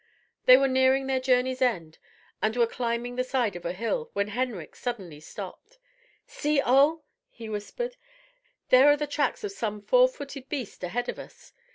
They were nearing their journey's end, and were climbing the side of a hill, when Henrik suddenly stopped. "See, Ole," he whispered, "there are the tracks of some four footed beast ahead of us.